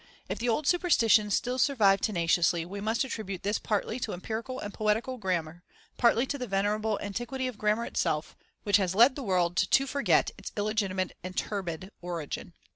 If the old superstitions still survive tenaciously, we must attribute this partly to empirical and poetical grammar, partly to the venerable antiquity of grammar itself, which has led the world to forget its illegitimate and turbid origin.